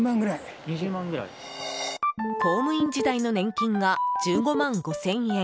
公務員時代の年金が１５万５０００円